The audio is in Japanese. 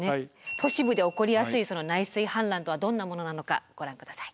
都市部で起こりやすいその内水氾濫とはどんなものなのかご覧下さい。